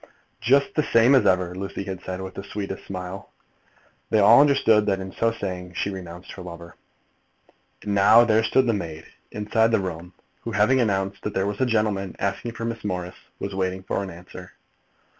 "Just the same as ever," Lucy had said, with the sweetest smile. They all understood that, in so saying, she renounced her lover. And now there stood the maid, inside the room, who, having announced that there was a gentleman asking for Miss Morris, was waiting for an answer.